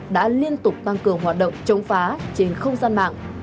đã liên tục tăng cường hoạt động chống phá trên không gian mạng